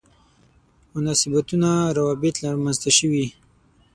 مناسبتونه روابط رامنځته شوي.